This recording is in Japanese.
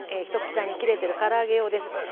一口大に切れてるから揚げ用です。